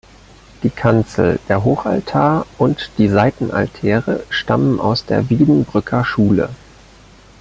Die Kanzel, der Hochaltar und die Seitenaltäre stammen aus der Wiedenbrücker Schule.